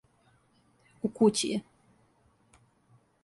У кући је.